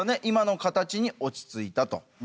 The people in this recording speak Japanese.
今の形に落ち着いたと。